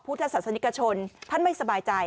พุทธศาสนิกชนท่านไม่สบายใจ